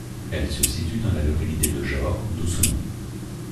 Elle se situe dans la localité de Jor, d'où son nom.